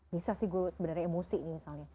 bisa sih gue sebenarnya emosi nih misalnya